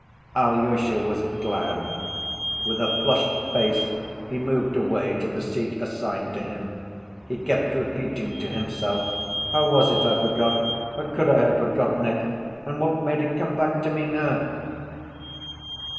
Alyosha was glad. With a flushed face he moved away to the seat assigned to him. He kept repeating to himself: "How was it I forgot? How could I have forgotten it? And what made it come back to me now?"